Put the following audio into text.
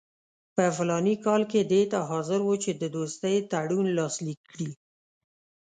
په فلاني کال کې دې ته حاضر وو چې د دوستۍ تړون لاسلیک کړي.